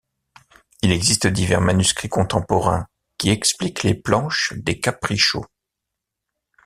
Il existe divers manuscrits contemporains qui expliquent les planches des Caprichos.